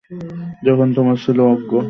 যখন তোমরা ছিলে অজ্ঞ।